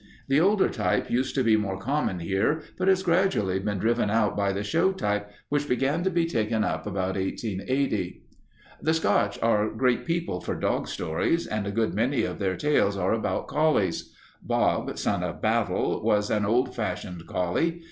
The older type used to be more common here, but has gradually been driven out by the show type which began to be taken up about 1880. [Illustration: Collie] "The Scotch are great people for dog stories, and a good many of their tales are about collies. Bob, Son of Battle, was an old fashioned collie.